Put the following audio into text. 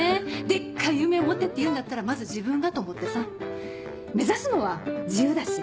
デッカい夢を持てって言うんだったらまず自分がと思ってさ目指すのは自由だし。